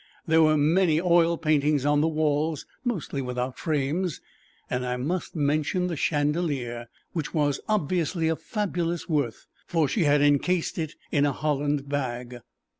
There were many oil paintings on the walls, mostly without frames, and I must mention the chandelier, which was obviously of fabulous worth, for she had encased it in a holland bag.